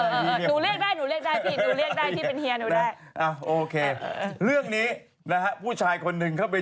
พี่เรียกผมว่าตัวเฮียได้